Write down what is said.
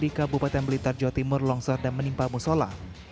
di kabupaten blitar jawa timur longsor dan menimpa musola